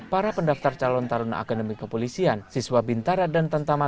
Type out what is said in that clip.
para pendaftar calon taruna akademi kepolisian siswa bintara dan tentara